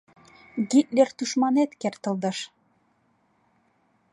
Гитлер тушманет кертылдыш.